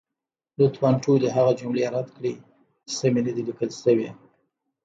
لطفا ټولې هغه جملې رد کړئ، چې سمې نه دي لیکل شوې.